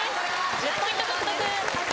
１０ポイント獲得。